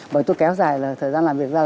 bởi tôi kéo dài thời gian làm việc ra